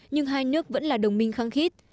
nhưng hai nước vẫn là đồng minh kháng khít